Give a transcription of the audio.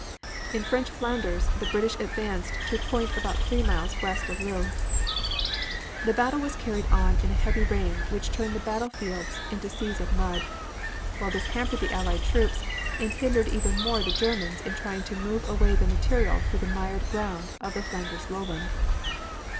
In French Flanders the British advanced to a point about three miles west of Lille. The battle was carried on in a heavy rain which turned the battle fields into seas of mud; while this hampered the Allied troops it hindered even more the Germans in trying to move away their material through the mired ground of the Flanders Lowland.